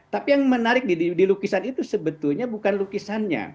tapi yang menarik di lukisan itu sebetulnya bukan lukisannya